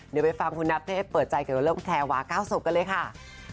เดี๋ยวไปฟังคุณนับเทพเปิดใจกับลกแพลวาค่าวสมกันเลยค่ะ